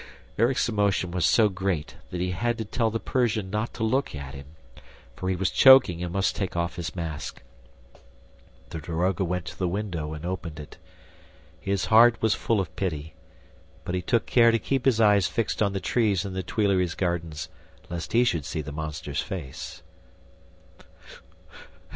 ..." Erik's emotion was so great that he had to tell the Persian not to look at him, for he was choking and must take off his mask. The daroga went to the window and opened it. His heart was full of pity, but he took care to keep his eyes fixed on the trees in the Tuileries gardens, lest he should see the monster's face.